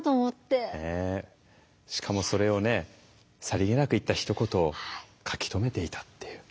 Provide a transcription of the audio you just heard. さりげなく言ったひと言を書き留めていたっていう。